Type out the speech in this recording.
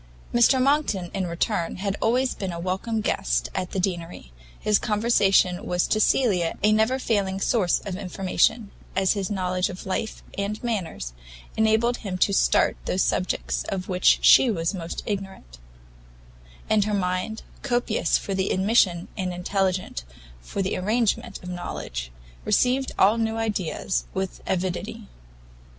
Mr Monckton, in return, had always been a welcome guest at the Deanery; his conversation was to Cecilia a never failing source of information, as his knowledge of life and manners enabled him to start those subjects of which she was most ignorant; and her mind, copious for the admission and intelligent for the arrangement of knowledge, received all new ideas with avidity.